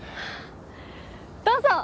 どうぞ。